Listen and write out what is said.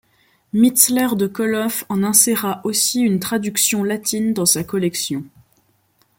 Mitzler de Kolof en inséra aussi une traduction latine dans sa collection.